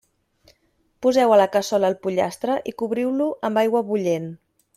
Poseu a la cassola el pollastre i cobriu-lo amb aigua bullent.